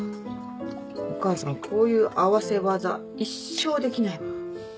お母さんこういう合わせ技一生できないもん。